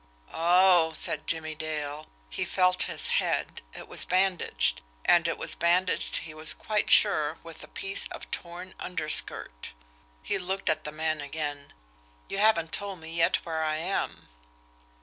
"Oh!" said Jimmie Dale. He felt his head it was bandaged, and it was bandaged, he was quite sure, with a piece of torn underskirt. He looked at the man again. "You haven't told me yet where I am."